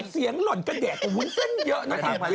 เสียงหล่นกระแดกกว่าวุ้นเส้นเยอะนะ